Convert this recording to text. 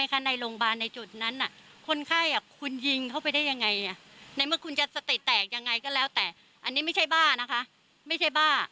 อย่างนี้ออกมาก็ต้องทำอีกจริงไหมคะ